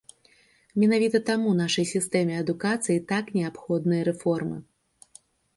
Менавіта таму нашай сістэме адукацыі так неабходныя рэформы.